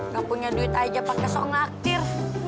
gak punya duit aja pake sok ngaktir